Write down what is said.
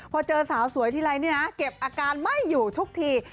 พอเจอสาวสวยทีไรนี่นะเก็บอาการไม่อยู่ทุกที